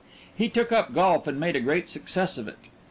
He took up golf and made a great success of it.